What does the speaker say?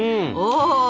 お！